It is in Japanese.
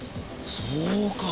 そうか。